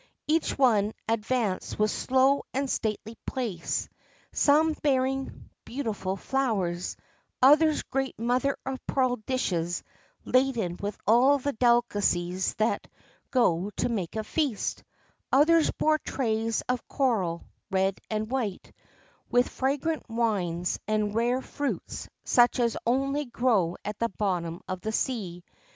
Each one advanced with slow and stately pace, some bearing beautiful flowers, others great mother of pearl dishes laden with all the delicacies that go to make a feast ; others bore trays of coral, red and white, with fragrant wines and rare fruits such as only grow at the bottom of the sea.